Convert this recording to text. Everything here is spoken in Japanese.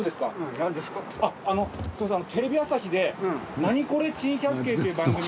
テレビ朝日で『ナニコレ珍百景』っていう番組で。